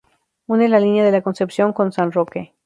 Une La Línea de la Concepción con San Roque.